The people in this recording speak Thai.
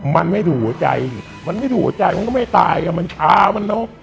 มันไม่ถูกหัวใจมันไม่ถูกหัวใจมันก็ไม่ตายอ่ะมันช้ามันเนอะ